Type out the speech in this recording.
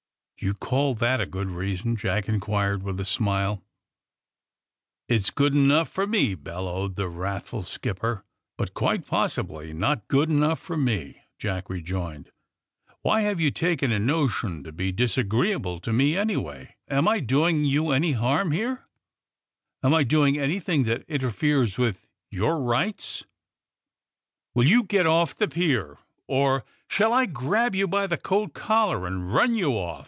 '' *^Do you call that a good reason!" Jack in quired, with a smile. *^It's good enough for me," bellowed the wrathful skipper. ^ *But quite possibly not good enough for me, '' Jack rejoined. ^*Why have you taken a notion to be disagreeable to me, anyway ? Am I doing you any harm here 1 Am I doing anything that interferes with your rights 1" Will you get off the pier, or shall I grab you by the coat collar and run you off!"